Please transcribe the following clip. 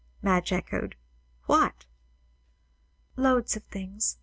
Madge echoed. "What?" "Loads of things.